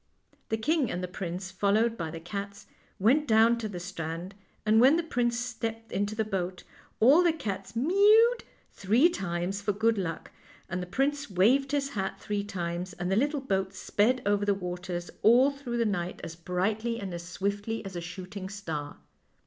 The king and the prince, followed by the cats, went down to the strand, and when the prince stepped into the boat all the cats " mewed " three times for good luck, and the prince waved his hat three times, and the little boat sped over the waters all through the night as brightly and as THE LITTLE WHITE CAT 147 swiftly as a shooting star.